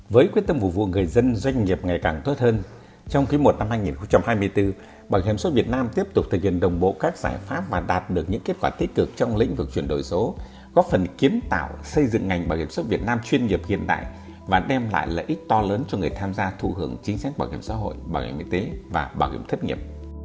với quyết tâm vụ vụ người dân doanh nghiệp ngày càng tốt hơn trong ký một năm hai nghìn hai mươi bốn bảo hiểm xuất việt nam tiếp tục thực hiện đồng bộ các giải pháp và đạt được những kết quả tích cực trong lĩnh vực chuyển đổi số góp phần kiến tạo xây dựng ngành bảo hiểm xuất việt nam chuyên nghiệp hiện đại và đem lại lợi ích to lớn cho người tham gia thù hưởng chính sách bảo hiểm xã hội bảo hiểm y tế và bảo hiểm thất nghiệp